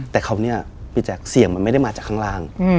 แต่คราวนี้พี่แจ๊คเสียงมันไม่ได้มาจากข้างล่าง